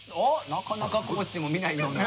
なかなか高知でも見ないような。